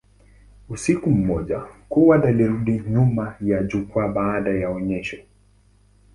Usiku mmoja, Coward alirudi nyuma ya jukwaa baada ya onyesho.